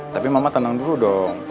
tapi mama tenang dulu dong